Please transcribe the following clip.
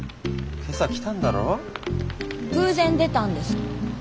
偶然出たんですもん。